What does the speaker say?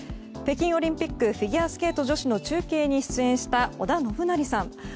北京オリンピックフィギュアスケート女子の中継に出演した織田信成さん。